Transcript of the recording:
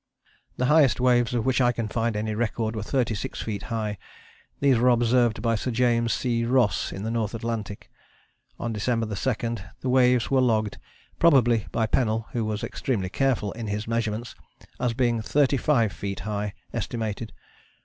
" The highest waves of which I can find any record were 36 feet high. These were observed by Sir James C. Ross in the North Atlantic. On December 2 the waves were logged, probably by Pennell, who was extremely careful in his measurements, as being 'thirty five feet high (estimated).'